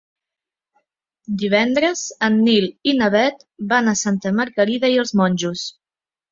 Divendres en Nil i na Bet van a Santa Margarida i els Monjos.